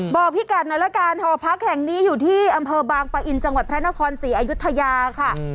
บอกพี่กัดหน่อยละกันหอพักแห่งนี้อยู่ที่อำเภอบางปะอินจังหวัดพระนครศรีอยุธยาค่ะ